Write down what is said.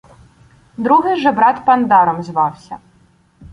Другий же брат Пандаром звався